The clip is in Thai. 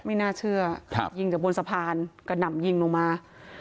ไม่น่าเชื่อยิงจากบนสะพานกระหน่ำยิงลงมา